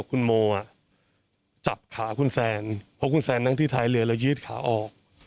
คุณโมอ่ะจับขาคุณแซนเพราะคุณแซนนั่งที่ท้ายเรือแล้วยืดขาออก